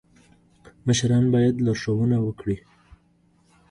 مشران باید لارښوونه وکړي